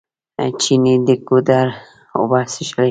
چڼې د ګودر اوبه څښلې.